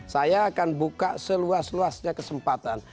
saya akan buka seluas luasnya kesempatan